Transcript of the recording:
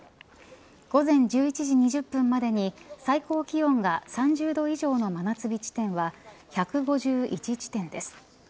午前１１時２０分までに最高気温が３０度以上の真夏日地点は１５１地点です。